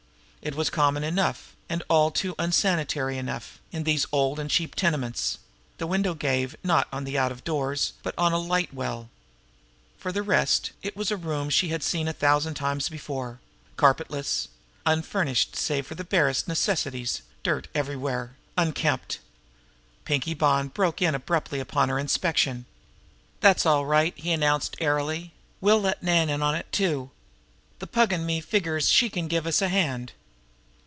It was common enough, and all too unsanitary enough, in these old and cheap tenements; the window gave, not on the out of doors, but on a light well. For the rest, it was a room she had seen a thousand times before carpetless, unfurnished save for the barest necessities, dirt everywhere, unkempt. Pinkie Bonn broke in abruptly upon her inspection. "That's all right!" he announced airily. "We'll let Nan in on it, too. The Pug an' me figures she can give us a hand."